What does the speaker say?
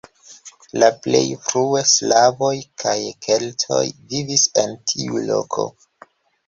La plej frue slavoj kaj keltoj vivis en tiu loko.